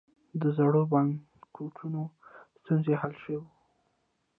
د زړو بانکنوټونو ستونزه حل شوه؟